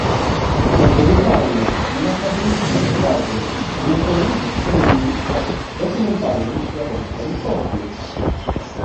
Te brutalne i makabryczne obrazy nie są niczym innym jak dokumentalnym świadectwem tortur